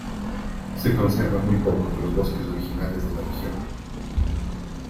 Se conserva muy poco de los bosques originales de la región.